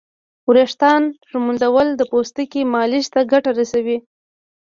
د ویښتانو ږمنځول د پوستکي مالش ته ګټه رسوي.